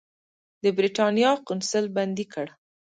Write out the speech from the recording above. د برېټانیا قونسل بندي کړ.